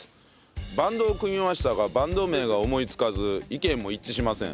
バンドを組みましたがバンド名が思いつかず意見も一致しません。